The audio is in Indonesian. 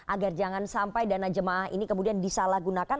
agar jangan sampai dana jemaah ini kemudian disalahgunakan